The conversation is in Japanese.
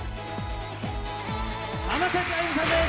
浜崎あゆみさんです